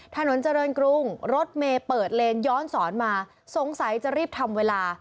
ถนนเจริญกรุงรถเมย์เปิดเลนย้อนสอนมาสงสัยจะรีบทำเวลา